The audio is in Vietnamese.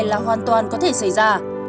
là hoàn toàn có thể xảy ra